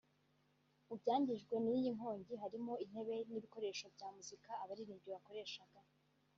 Mu byangijwe n’iyi nkongi harimo intebe n’ibikoresho bya muzika abaririmbyi bakoreshaga